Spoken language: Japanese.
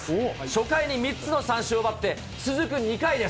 初回に３つの三振を奪って、続く２回です。